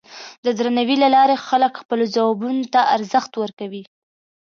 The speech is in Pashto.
د درناوي له لارې خلک خپلو ځوابونو ته ارزښت ورکوي.